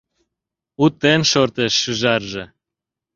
Утен шортеш шӱжарже...